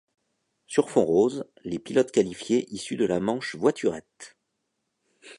Sur fond rose, les pilotes qualifiés issus de la manche voiturettes.